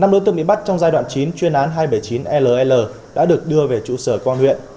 năm đối tượng bị bắt trong giai đoạn chín chuyên án hai trăm bảy mươi chín ll đã được đưa về trụ sở công huyện